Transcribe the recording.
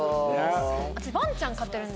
私わんちゃん飼ってるんですよ